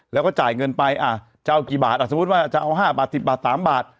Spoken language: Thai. แล้วก็จ่ายเงินไปจะเอากี่บาทสมมุติว่าจะเอา๕บาท๑๐บาท๓บาท